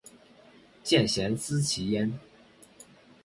见贤思齐焉